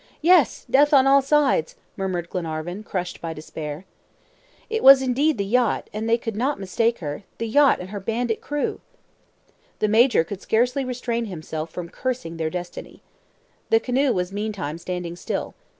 "Yes, death on all sides!" murmured Glenarvan, crushed by despair. It was indeed the yacht, they could not mistake her the yacht and her bandit crew! The major could scarcely restrain himself from cursing their destiny. The canoe was meantime standing still.